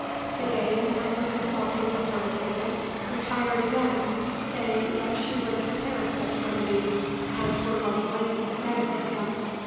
The dame, after consulting with her attendant, retired again, saying that she would prepare such remedies as were most likely to benefit him.